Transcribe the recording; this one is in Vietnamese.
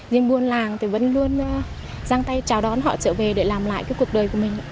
nhưng buôn làng thì vẫn luôn giang tay chào đón họ trở về để làm lại cái cuộc đời của mình